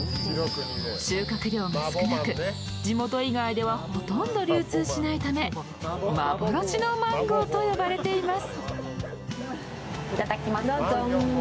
収穫量が少なく地元以外ではほとんど流通しないため、幻のマンゴーと呼ばれています。